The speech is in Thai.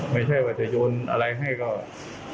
ไม่ใช่แบบจะโยนอะไรให้ก็เอาผม